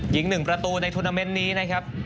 หญิงหนึ่งประตูในทุนาเมนต์นี้นะครับ